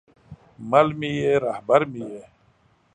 مل مې یې، رهبر مې یې